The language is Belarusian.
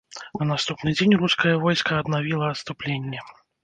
На наступны дзень рускае войска аднавіла адступленне.